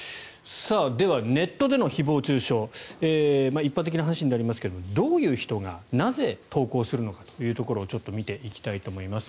では、ネットでの誹謗・中傷一般的な話になりますがどういう人がなぜ投稿するのかをちょっと見ていきたいと思います。